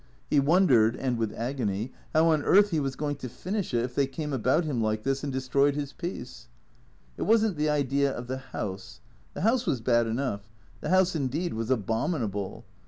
He wondered, and with agony, how on earth he was going to finish it if they came about him like this and destroyed his peace. It was n't the idea of the house. The house was bad enough ; the house indeed was abominable.